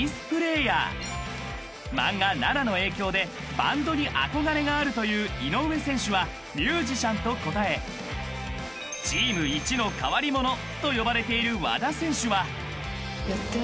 ［漫画『ＮＡＮＡ』の影響でバンドに憧れがあるという井上選手はミュージシャンと答えチーム１の変わり者と呼ばれている和田選手は］